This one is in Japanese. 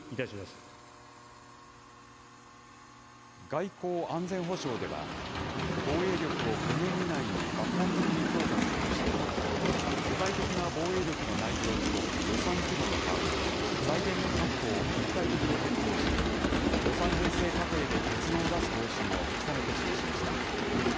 外交・安全保障では、防衛力を５年以内に抜本的に強化するとして、具体的な防衛力の内容と予算規模の把握、財源の確保を一体的に検討し、予算編成過程で結論を出す方針を重ねて示しました。